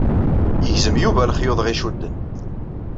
Yegzem Yuba lexyuḍ i ɣ-icudden.